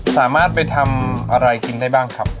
สามารถไปทำอะไรกินได้บ้างครับ